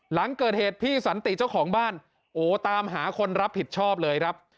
หลังเกิดเหตุพี่สันติเจ้าของบ้านโอ้ตามหาคนรับผิดชอบเลยครับ